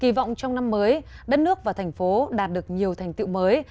kỳ vọng trong năm mới đất nước và thành phố đạt được nhiều thành tựu mới